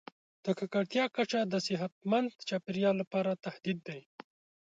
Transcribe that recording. د ککړتیا کچه د صحتمند چاپیریال لپاره تهدید دی.